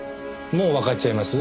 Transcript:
もうわかっちゃいます？